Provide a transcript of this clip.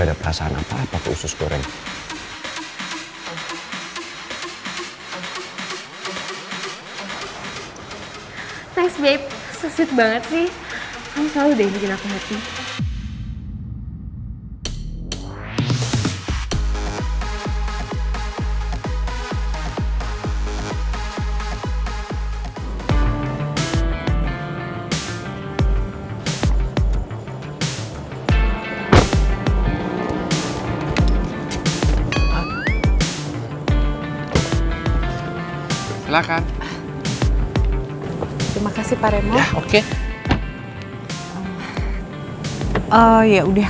and then saya baru sadar